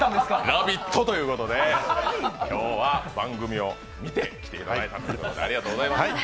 「ラヴィット！」ということで今日は番組を見て来ていただいたということでありがとうございます。